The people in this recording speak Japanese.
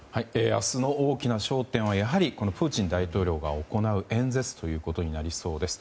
明日の大きな焦点はプーチン大統領が行う演説ということになりそうです。